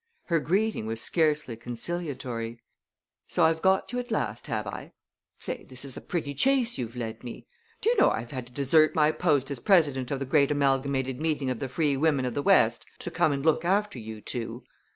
Her greeting was scarcely conciliatory. "So I've got you at last, have I? Say, this is a pretty chase you've led me! Do you know I've had to desert my post as president of the Great Amalgamated Meeting of the Free Women of the West to come and look after you two?